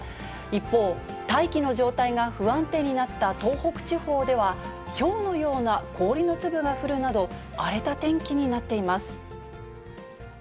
一方、大気の状態が不安定になった東北地方では、ひょうのような氷の粒が降るなど、荒れた天気になっています。